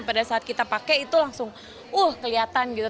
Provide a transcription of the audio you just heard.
pada saat kita pakai itu langsung uh kelihatan gitu